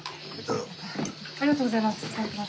ありがとうございます。